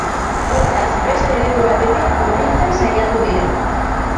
Hortaz beste leku batetik hurbiltzen saiatu dira.